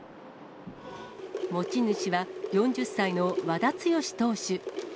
持ち主は、４０歳の和田毅投手。